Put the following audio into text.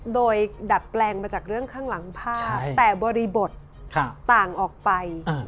โดยดัดแปลงมาจากเรื่องข้างหลังภาพแต่บริบทต่างออกไป